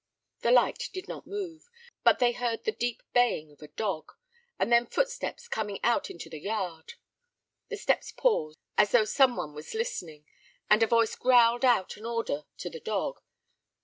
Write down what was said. The light did not move, but they heard the deep baying of a dog, and then footsteps coming out into the yard. The steps paused, as though some one was listening, and a voice growled out an order to the dog.